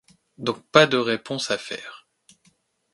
Donc, pas de réponse à faire.